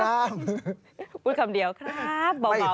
พูดคำเดียวครับเบา